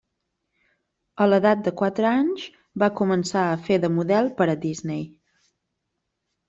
A l'edat de quatre anys va començar a fer de model per a Disney.